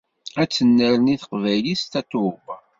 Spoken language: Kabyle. Ad tennerni teqbaylit s Tatoeba.